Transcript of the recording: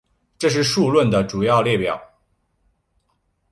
这是数论的主题列表。